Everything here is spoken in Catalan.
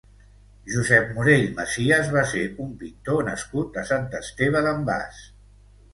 Josep Morell Macias va ser un pintor nascut a Sant Esteve d'en Bas.